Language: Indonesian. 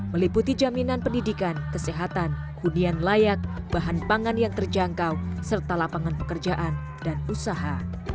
meliputi jaminan pendidikan kesehatan hunian layak bahan pangan yang terjangkau serta lapangan pekerjaan dan usaha